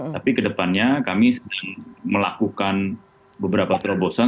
tapi ke depannya kami melakukan beberapa terobosan